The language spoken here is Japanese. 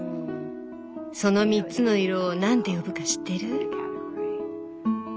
その３つの色をなんて呼ぶか知ってる？